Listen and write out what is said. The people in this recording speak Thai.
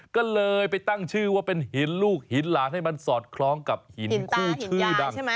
ก็เลยไปตั้งชื่อว่าเป็นหินลูกหินหลานให้มันสอดคล้องกับหินคู่ชื่อดัง